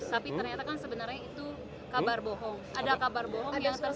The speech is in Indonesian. tapi ternyata kan sebenarnya itu kabar bohong